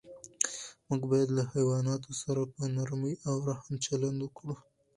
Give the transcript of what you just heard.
موږ باید له حیواناتو سره په نرمۍ او رحم چلند وکړو.